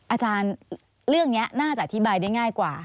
อาจารย์เรื่องนี้น่าจะอธิบายได้ง่ายกว่า